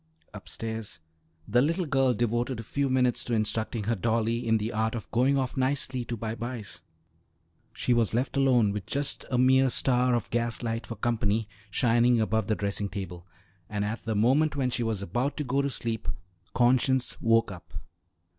Upstairs, the little girl devoted a few minutes to instructing her dolly in the art of going off nicely to bye byes. She was left alone, with just a mere star of gas light for company shining above the dressing table, and at the moment when she was about to go to sleep conscience woke up.